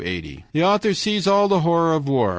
The author sees all the horror of war.